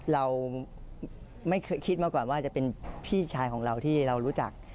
เราไม่คิดมาก่อนว่าจะเป็นพี่ชายของเราที่เรารู้จัก